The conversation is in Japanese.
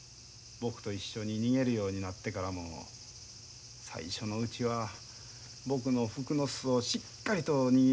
僕と一緒に逃げるようになってからも最初のうちは僕の服の裾をしっかりと握り締めて寝とるのや。